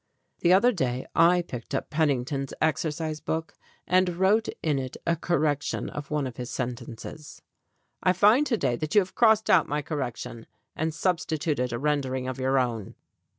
The other day I picked up Penning ton's exercise book, and wrote in it a correction of one of his sentences; I find to day that you have crossed out my correction and substituted a rendering of your own."